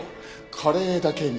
カレーだけに。